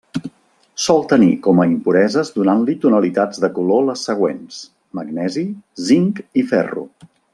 Sol tenir com a impureses donant-li tonalitats de color les següents: magnesi, zinc i ferro.